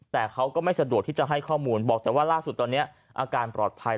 แต่เขาก็ไม่สะดวกที่จะให้ข้อมูลบอกแต่ว่าล่าสุดตอนนี้อาการปลอดภัย